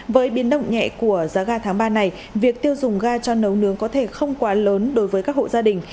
với biến động nhẹ của giá ga tháng ba này việc tiêu dùng ga cho nấu nướng có thể không quá lớn đối với các hộ gia đình